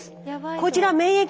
「こちら免疫。